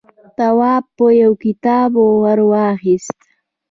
تواب يو کتاب ور واخيست.